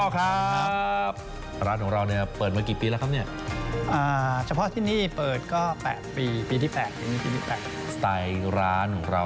ก็แปะปีปีที่แปะปีนี้ปีที่แปะสไตล์ร้านของเรา